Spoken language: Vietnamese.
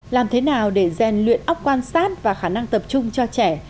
làm thế nào để zen luyện ốc quan sát và khả năng tập trung cho trẻ